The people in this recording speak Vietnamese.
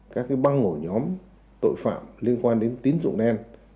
các băng ổ nhóm tội phạm liên quan đến tín dụng đen